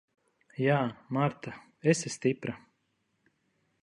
Jā, Marta. Esi stipra.